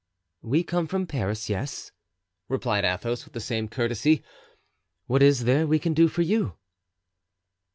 "We come from Paris, yes," replied Athos, with the same courtesy; "what is there we can do for you?"